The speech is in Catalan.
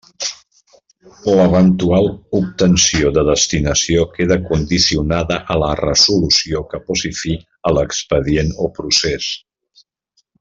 L'eventual obtenció de destinació queda condicionada a la resolució que pose fi a l'expedient o procés.